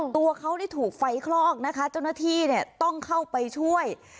ตัวเขานี่ถูกไฟคลอกนะคะเจ้าหน้าที่เนี่ยต้องเข้าไปช่วย